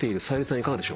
いかがでしょう？